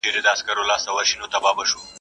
په خپل نوبت کي هر یوه خپلي تیارې راوړي.